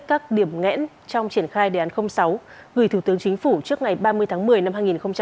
các điểm ngẽn trong triển khai đề án sáu gửi thủ tướng chính phủ trước ngày ba mươi tháng một mươi năm hai nghìn hai mươi